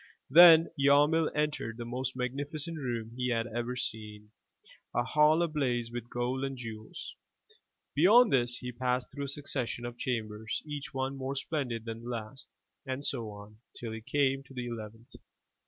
Then Yarmil entered the most magnificent room he had ever seen, a hall ablaze with gold and jewels. Beyond this, he passed through a succession of chambers, each one more splendid than the last, and so on till he came to the eleventh.